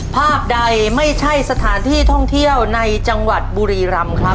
ภาพใดไม่ใช่สถานที่ท่องเที่ยวในจังหวัดบุรีรำครับ